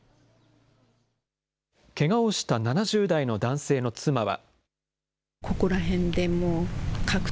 けがをした７０代の男性の妻は。